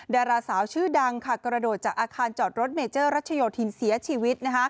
ดาราสาวชื่อดังกระโดดจากอาคารจอดรถเมเจอร์รัชโยธินเสียชีวิต